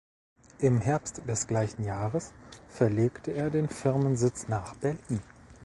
Im Herbst des gleichen Jahres verlegte er den Firmensitz nach Berlin.